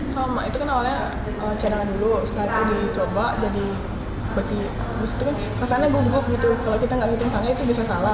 sama itu kan awalnya cadangan dulu setelah itu dicoba jadi berarti abis itu kan kesannya gugup gitu kalau kita nggak ngitung tangan itu bisa salah